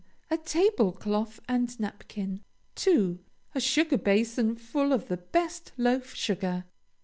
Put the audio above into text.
A tablecloth and napkin. 2. A sugar basin full of the best loaf sugar.